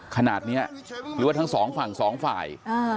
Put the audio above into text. ขนาดนี้หรือว่าทั้งสองฝั่งสองฝ่าย